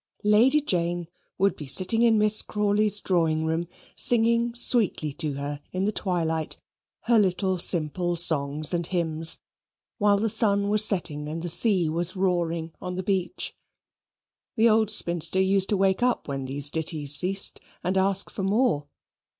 Lady Jane would be sitting in Miss Crawley's drawing room singing sweetly to her, in the twilight, her little simple songs and hymns, while the sun was setting and the sea was roaring on the beach. The old spinster used to wake up when these ditties ceased, and ask for more.